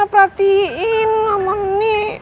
gak perhatiin ama ni